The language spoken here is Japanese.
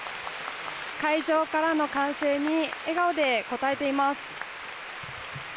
会場からの歓声に笑顔で応えています。